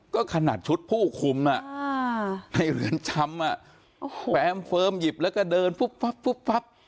ก็ขนาดชุดผู้คุมอ่ะอ่าในเหรือนชำอ่ะโอ้โหแฟ้มเฟิร์มหยิบแล้วก็เดินฟุบฟับฟุบฟับ